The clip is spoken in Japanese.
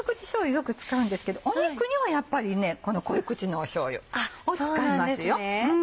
よく使うんですけど肉にはやっぱりこの濃い口のしょうゆを使いますよ。